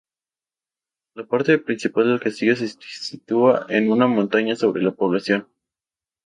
La parte principal del castillo se sitúa en una montaña sobre la población.